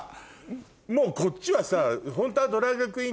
もうこっちはさホントは。